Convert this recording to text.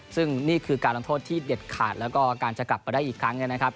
ซึ่งนี่คือการลงโทษที่เด็ดขาดแล้วก็การจะกลับมาได้อีกครั้งนะครับ